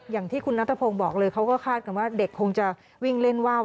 อย่างที่คุณนัทพงศ์บอกเลยเขาก็คาดกันว่าเด็กคงจะวิ่งเล่นว่าว